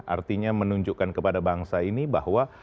artinya menunjukkan kepada bangsa ini bahwa